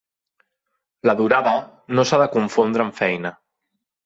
La durada no s'ha de confondre amb feina.